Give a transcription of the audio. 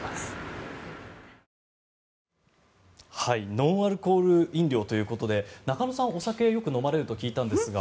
ノンアルコール飲料ということで中野さんはお酒をよく飲まれると聞いたんですが。